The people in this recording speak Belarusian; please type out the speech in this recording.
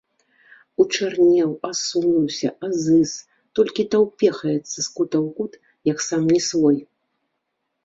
Учарнеў, асунуўся, азыз, толькі таўпехаецца з кута ў кут, як сам не свой.